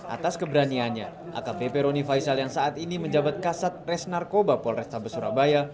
atas keberaniannya akpp roni faisal yang saat ini menjabat kasat res narkoba polrestabes surabaya